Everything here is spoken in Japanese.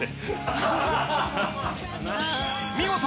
［見事］